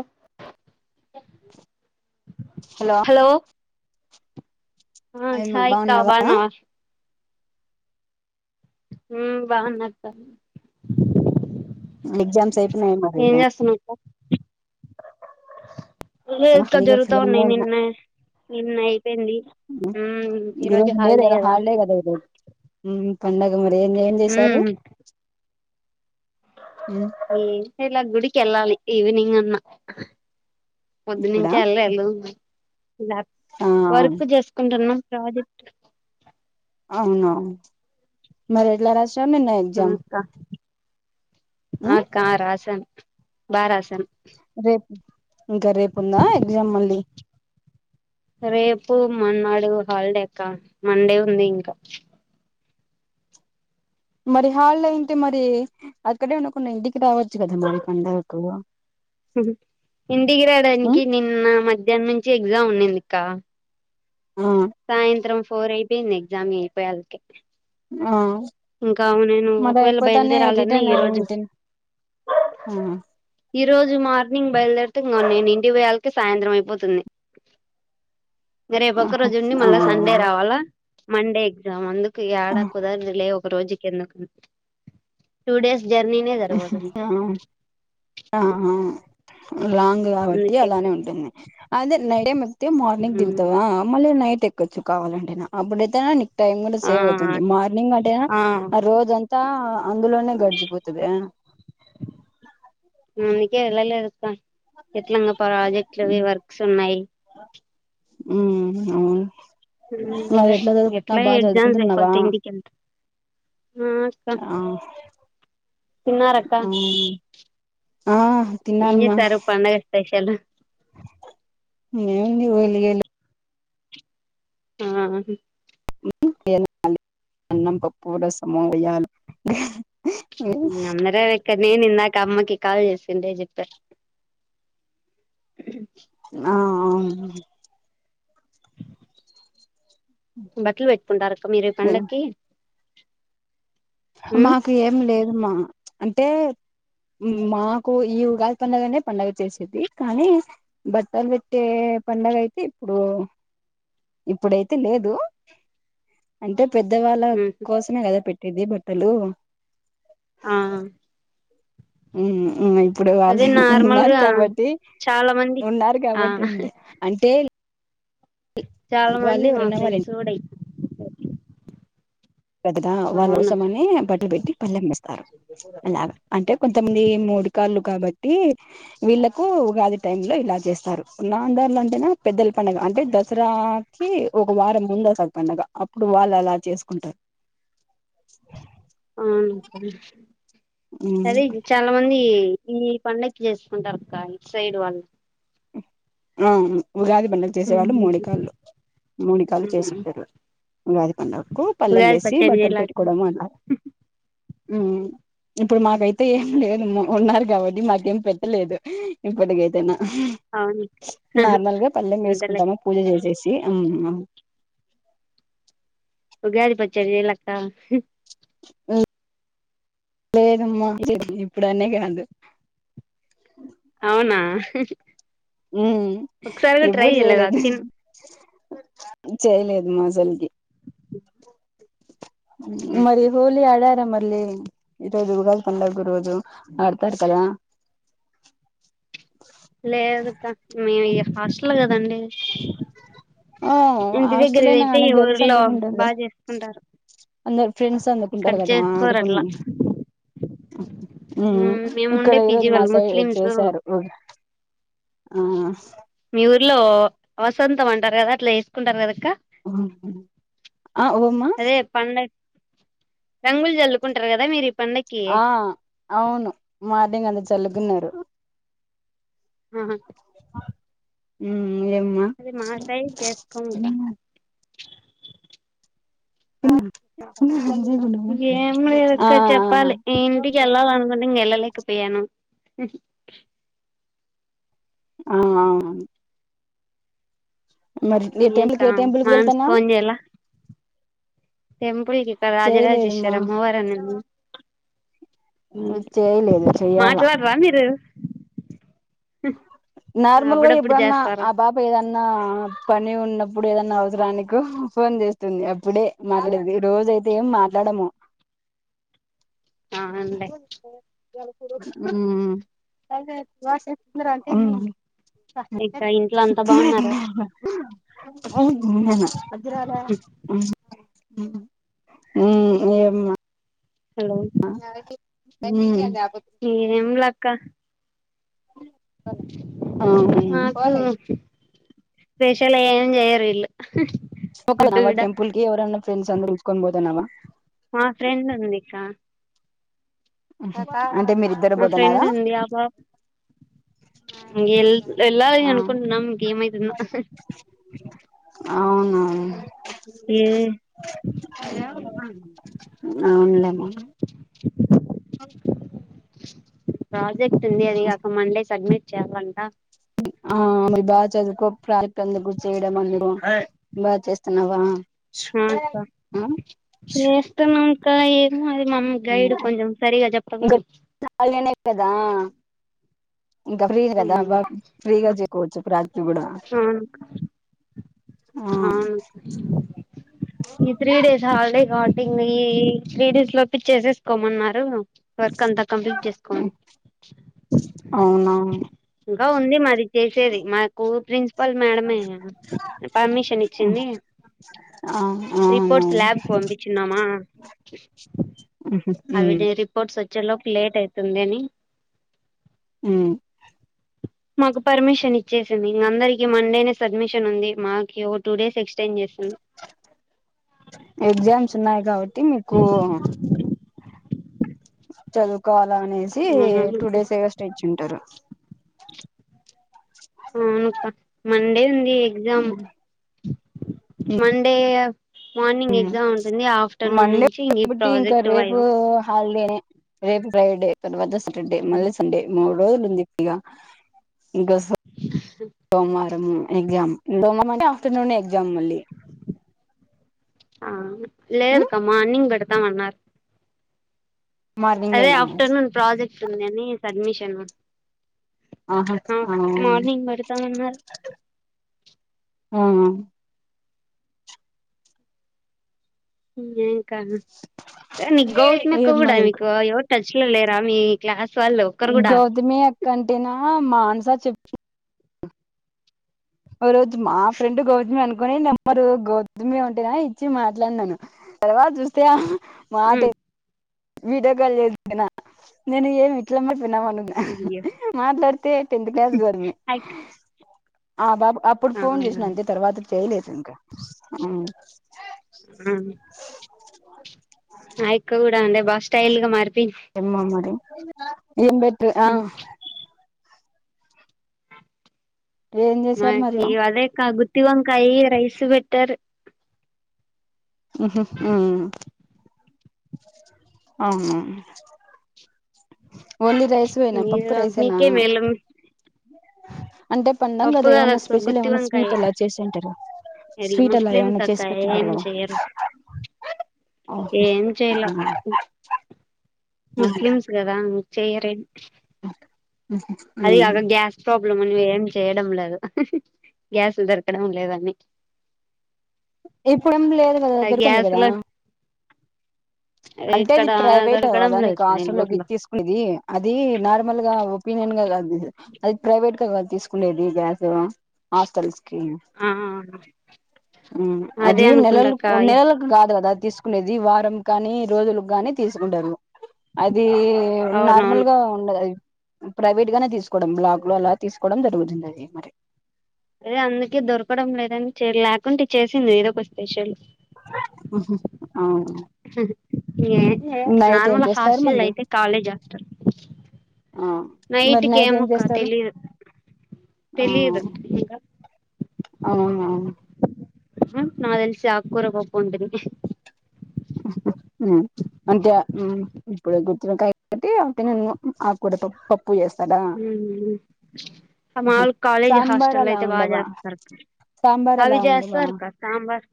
ఓ hello ఆ hi అక్క బాగున్నావా ఉమ్ బాగునా అక్క ఎగ్జామ్స్ అయిపో ఏం చేస్తున్నావు అక్క లేదుక్క ఖాళీగా జరుగుతా ఫ్రీగానే ఉన్నాయి ఉన్నా నిన్న నిన్న అయిపోయింది ఉమ్ ఈ ఈరోజు రోజు లేదు హాలిడే కదా ఈ రోజు పండగ మ ఏం ఏం చేశారు ఈ ఇవ్వాళ గుడికి వెళ్ళాలి ఈవినింగ్ అన్నా పొద్దు ఇప్పుడా నుంచే ఏలేళ్ళు ఇలా ఆ వర్క్ చేసుకుంటున్నాం ప్రాజెక్ట్ అవునవును మరి ఎలా రాసా నిన్న ఆ ఎగ్జామ్ అక్క ఆ అక్క రాసన్ బా రాసాన్ రేపు ఇంకా రేపు ఉందా ఎగ్జామ్ మళ్ళీ రేపు మన్నాడు హాలిడే అక్క మండే ఉంది ఇంకా మరి హాలిడే అయింటే మరి అక్కడే ఉన్నకుండ ఇంటికి రావచ్చు కదా మరి పండకు ఇంటికి రాడానికి నిన్న మధ్ ధ్యానం నుంచి ఎగ్జామ్ ఉన్నిందిక్క ఆ సాయంత్రం ఫోర్ అయిపోయిది ఎగ్జామ్ అయిపోయాల్కే ఆ ఇంకా అవు నేను మరి ఒకవేళ అయిపోతానే బయలుదేరాలన్న రిటర్న్ ఈ అయి రోజు ఉంటే ఆ ఈ రోజు మార్నింగ్ బయలుదేరుతే ఇంగ నిను ఇంటి పోయాలకి సాయంత్రం అయిపోతుంది ఇంగ రేపు ఆ ఒక్క రోజుండి మళ్ళా సండే రావాలా మండే ఎగ్ ఎగ్జామ్ అందుకు యాడా కుదరదులే ఒక్క రోజుకు ఎందుకు టు డేస్ జర్నీనే సరిపోతుంది ఆ ఆ లాంగ్ కాబట్టి అందుకే అక్క అలానే ఉంటుంది అదే నైట్ టైమ్ ఎక్కితే మార్నింగ్ దిగుతావా మళ్ళీ నైట్ ఎక్ కచ్చు కావాలంటేన అప్పుడైతే నిక్ టైమ్ కూడా ఆ సేవ్ అవుతుంది మార్నింగ్ అంటేన ఆ రోజం అందులోనే గడిచిపోతది ఆ అందుకే వెళ్ళాలేదు స ఎట్లంగా ప్రాజెక్ట్లువి వర్క్స్ ఉన్నాయి ఉ అవును మరి ఎట్లా చదువుకుంటున్నావ్ బాగా ఎజామ్స్ చదువుకుంటున్నావా అయిపోతే ఇంటికెంత ఆ తిన్నారా అక్క అవును ఆ ఏం తిన్నానమ్మ చేశారు పండగ స్పెషల్ మేవుంది వలిగలు ఆ [unintelligible] అన్నం పప్పుర రసం వడియాలు అందర ఇక నేను ఇందాక అమ్మకి కాల్ చేసుకుంటే చెప్పారు ఆ అవును బట్టలు పెట్టుకుంటారక మీరు ఈ పండకి మాకు ఏం లేదుమ్ మా అంటే మాకు ఈ ఉగాది పడుగనే పండగ చేసేది కానీ బట్టలు పెట్టే పండగ అయితే ఇప్పుడు ఇప్పుడైతే లేదు అంటే. పెద్దవాళ్ళ ఉహు కోసమే కదా పెట్. ఇది బ హలో ఆ ఉ ఊ అ ఇప్పుడు అదే వాళ్ళు ఉన్నారు నార్మల్గా కాబట్టి చాలా మంది ఉన్నారు ఆ కాబట్టి ఉంది అంటే. చాలా వాళ్ళు మంది మా ఎవరైనా వాళ్ళ ఫ్రెండ్స్ కూడా పెద్దగా వాళ్ళ అవును కోసమని బట్టలు పెట్టి పల్లెంమిస్తారు అలాగా అంటే కొంతమంది మూడు కాళ్లు కాబట్టి వీళ్ళలకు ఉగాది టై లో ఇలా చేస్తారు నాందారులో అంటేనా పెద్దల పడుగ అంటే దసరాకి ఒక వారం ముంద వస్తది పండగ అప్పుడు వాళ్ళు అలా చేసుకుంటారు. [unintelligible] అవునుకా అదే చాలా మంది ఈ పండకి చేసుకుంటారు అక్క ఈ సైడ్ వాళ్ళు ఆ ఉగాది పడుగ చేసేవాళ్ళు మూడి కాళ్ళు మూడి కాళ్ళలు చేసింటారు ఉగాది పండగకు పల్లెం ఉగాది వేసి పచ్చడి బట్టలు చేయాల అక్క పెట్టుకోవడం అలా. ఇప్పుడు మాకైతే ఏం లేదు ఉన్నారు కాబట్టి మాకేం పెట్టలేదు ఇప్పటికైతేనా. అవును ఊహు నార్మల్గా పల్లం అంతేలే వేస్కుంటామా పూజ చే చేసి అమ్ ఉగాది పచ్చడిచేయలేదాక్క ఉమ్ లేదమ్మా ఇప్పుడు అన్నీకాదు అవునా ఉమ్ ఒకసారి కూడా ట్రై ఎప్పుడు చేయలేదా చేయలేదు తిన్ చేయలేదు మాజలకి మరి హోళీ ఆడార మరి లేయ్ ఈరోజు ఉగాది పండుగరోజు పాటిపేట కాడా లేదుక్క మే ఈ హాస్టల్ కదండి ఆ ఇంటి దగ్గర ఆస్తుల అయినా అయితే కానీ గర్ల్స్ ఊర్లో అందుకుంటారు కదా బాగా చేసుకుంటారు అందరు ఫ్రెండ్స్ ఇక్కడ అందుకుంటారు కదా చేసుకోరు ఆడుకుని అట్లా మ్ ఇక్కడ మేముండే పీజీ ఈరోజు మా వాళ్ళు సైడ్ ముస్లిమ్స్ చేశారు ఆ ఇట్లో వసంతం అంటారు కదా అట్లా వేసుకుంటారు కదా ఉంహు ఆ ఓమా అదే పండగ రంగులు జల్లుకుంటరు కదా మీరిప్ పండక్కి ఆ అవును మార్నింగ్ అంత చల్లుగున్నారు ఆహా ఉ ఇంకెమ్మా చేసుకోమక్క ఉమ్ ఏం లేదక్క చెప్పాలి ఇంటికెళ్ళాలనుకుంటే ఇంక వెళ్ళలేకపోయాను ఉహ్ కీ ఆ ఆ ఆ అన్ మరి నీ టెంపుల్క్ ఇంకా ఏ టెంపుల్ కి మా వెళ్తాన్నవ్ తెంప్ ఇప్పుడిగిక్కడ చేయలేదమ్మా రాజరాజేశ్వరి అమ్మ వారనుం ఉ చేయలేదు చెయ్యాలా మాట్లాడరా మీరు నార్మల్గా అప్పుడప్పుడు ఎప్పుడన్నా చేస్తారా ఆ బాప ఏదన్నా పని ఉన్నప్పుడెదన్నా అవసరానికు ఫోన్ చేస్తుంది అప్పుడే మాటడెది రోజయితే ఏం మాట్లాడము ఆ అవునులే ఇంకా ఇంట్లో అంతా బాగున్నారా ఉమ్ ఉమ్ వజ్రాల ఉ ఏంమా హలో ఆ నడిపియ్ ఉ రెండిన్ల గ్యాప్ ఏం లక్ క్క మాకూ ఫేషియల్ ఏం జేయరు ఇల్లు ఒక్కలనవా టెంపుల్కి ఎవరన్న ఫ్రెండ్స్ అందరు పిల్సుకొని బోతనవా మా ఫ్రెండ్ ఉందికా సతార్ మా ఫ్రెండ్ ఉంది ఆబాబ్ వెళ్ళాలి అనుకుంటున్నాం ఇంకేమైతుందొ అవును అవున్ లేమా [unintelligible] రా క్ట్ ఉంది అది ఒక మన్ డే సబ్మిట్ చెప్పంట ఆ బాగా చదువుకో ప్రందుకు చేయడం అందుర బాగా చేస్తున్నావా అ అక్క ఆ చేస్తున్న కా ఏంమరి మమ్ గైడ్ కొంచం సరగా చెప్పదు ఇంకా ఖాళీనే కదా ఇంకా ఫ్రీగాదా బా ఫ్రీగా జకోచ్చు రాత్రి అవును ఆ అవును ఈ త్రీ డేస్ హాలిడే టింగ్ ఈ త్రీ డేస్ లోపే చేసేసుకోమన్నారు వర్క్ అంతా కంప్లీట్ చేస్కోండి అవునా గా ఉంది మది చేసేది మా స్కూల్ ప్రిన్సిపాల్ మేడమే పర్మిషన్ ఇచ్చింది ఆ అవును రిపోర్ట్స్ ల్యాబ్ కు పంపించన్నామా అవి ఉమ్ రిపోర్ట్స్ వ చెలో ఒక లేట్ అయితుంది అని హ్మ్మ్ మాకు పర్మిషన్ ఇచ్చేసింది ఇంక అందరికీ మండేనే సబ్మిషన్ ఉంది మాకి ఓ టూ డేస్ ఎక్స్ ఎగ్జామ్స్ ఉన్నాయ్ కాబాటి ఓ చదువు కో అలా అనేసి టూ డేస్ [unintelligible] ఇచ్చింటారు ఉనుక Monday exam Monday morning exam ఉంటుంది ఆఫ్టర్నూన్ మండే నుంచి ఇ ఈ ప్రాజెక్ట్ వై రే రేపు ఫ్రైడే తర్వాత స శటర్డే మల్ల సండే మూ రోజలుందిపిగా గస సమరి ఎగ్జాం ఆఫ్టర్నూన్నే ఎగ్జామ్ మళ్ళీ ఆ ఉమ్ లేదుక మ్మానిం [unintelligible] ా మారు అదే మార్నింగేనా ఆఫ్టర్నూన్ ప్రాజెక్ట్ ఉంది అని సబ్మి షన్ ఆహా ఆఫ్ ఆ మార్నింగ్ పెడతామన్నారు ఆ నీ గౌత్మక్క కూడ ఏమ్మా ఇంకా మీకు ఎవట టచ్ లో లేరా మీ క్లా గౌతమి అక్కంటేనా మాంస చెప్ ఓ రోజు మా ఫ్రెండ్ గౌతమి అనుకొని నెమ్మరు గౌతమి ఉంటేనా ఇచ్చి మాట్లాడినాను తర్వాత చూస్తే ఉమ్ మాద వీడియోకాల్ చేసినా నేను ఏమి ఇట్ల మే అయ్యో [unintelligible] మాట్లాడితే టెన్త్ క్లాస్ గౌతమి ఆ [unintelligible] అప్పుడు ఆ ఫోన్ చేసిన అంతే తర్వాత చేయలేదింక ఆయక్క కూడ [unintelligible] బాగ స్టైల్ గా మారి ఎమ్మా మరి ఇ ఏంబెట్ ఆ ఏం మా చేశారు మరి అక్కే గుతివంకాయ రైస్ బెట్టర్ అవు ఓన్లీ రైస్ ఏనా పప్పు మీరు రైసేనా మీకే మేలు అంటే పండగ్గద పప్పు కదా ఏమన్నా కాదక్క స్పెషల్ గుత్తి ఏమన్నా స్వీట్ వంకాయే అలా చేసింటారు వీళ్ళు స్వీట్ అలా ముస్లిమ్స్ ఏమన్నా అక్క చేసి పెట్టింటారు ఏం కదా చెయ్యరు ఏం చేయలా ముస్లిమ్స్ గదా చేయరేండి మ్మ్ ప్రాబ్ల అని ఏం చేయడం లేదు గ్యాస్ దొరకడం లేదని ఇప్పుడేం లేదు కదా ఆ దొరుకుంది గ్యాస్ కదా లో అంటే అది ఇక్కడ ప్రైవేట్ దొరకడం అదా లేదు నీకు అక్క హాస్టల్లోకి ఇ నెల్లూరులో తీసుకునేది అది నార్మల్ గా ఫ్రీ ఏం. కాదు అది ప్రైవేట్ తీసుకునేది గ్యాస్ హాస్టల్ ఆ అదే అది నెలలు అనుకుంటక్క నెలకి కాదు కదా తీసుకునేది వారం కానీ రోజులుగానే తీసుకుంటారు అది అవునవును నార్మల్గా ఉండదు అది ప్రైవేట్ గానే తీసుకోవడం బ్లాక్ లో అలా తీసుకోవడం జరుగుతుంది అది మరి అదే అందుకే దొరకడం లేదని లేకుంటే చేసింది ఏదో ఒక స్పెషల్ ఇ నైట్ ఏం నార్మల్ చేస్తారు హాస్టల్ మళ్ళీ అయితే కాలేజ్ వస్తారు ఆ మరి నైట్కి నైట్ ఏం ఏముక్క చేస్తారు తెలిదు ఆ తెలిదుకా అవునవును నాకు తెల్సి ఆకు కూడా పప్పు ఉంటది మ్మ్ హ్మ్మ్ అంతే ఇప్పుడు గు కాబట్టి అ నన్న ఆ కూడా ఆ మాముూలు కాలేజీ సాంబార్ హాస్టల్ అలా అయితే బాగా ఉండవా చేస్తారు క సాంబార్ అవి అలా ఉండవా చేస్తారు క సాంబార్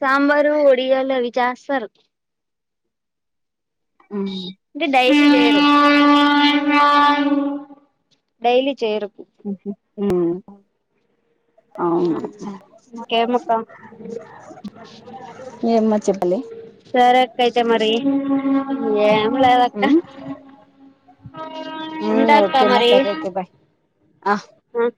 సాంబారు ఒడియాలు అవి చేస్తారు అంటే డైలీ చేయరు డైలీ చేయరు మ్మ్ హ్మ్మ్ ఇంకేమో అక్క ఏమ్మా చెప్పలే సరే అక్క అయితే మరి ఏమ్లేదాక్క ఉంటాక్క ఓకేమ్మా మరి సరే ఓకే బాయ్ ఆ ఉ